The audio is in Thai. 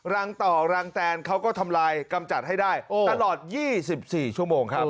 รังต่อรังแตนเขาก็ทำลายกำจัดให้ได้ตลอด๒๔ชั่วโมงครับ